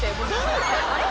あれ？